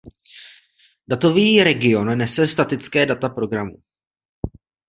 Datový region nese statické data programu.